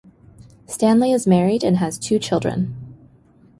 Stanley is married and has two children.